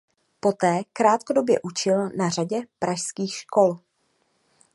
Poté krátkodobě učil na řadě pražských škol.